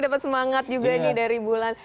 dapat semangat juga nih dari bulan